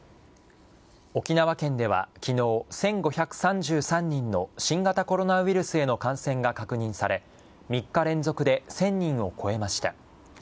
沖縄県ではきのう、１５３３人の新型コロナウイルスへの感染が確認され、３日連続で１０００人を超えました。